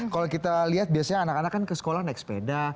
kalau kita lihat biasanya anak anak kan ke sekolah naik sepeda